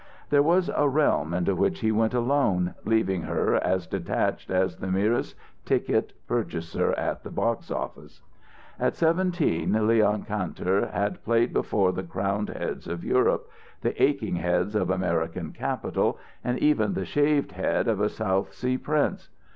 There was a realm into which he went alone, leaving her as detached as the merest ticket purchaser at the box office. At seventeen, Leon Kantor had played before the crowned heads of Europe, the aching heads of American capital, and even the shaved head of a South Sea prince.